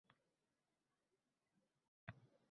Bu olamdagi barcha manzillar bir.